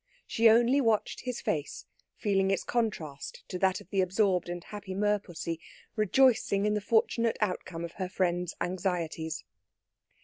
She only watched his face, feeling its contrast to that of the absorbed and happy merpussy, rejoicing in the fortunate outcome of her friend's anxieties.